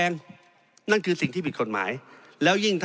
เพราะฉะนั้นโทษเหล่านี้มีทั้งสิ่งที่ผิดกฎหมายใหญ่นะครับ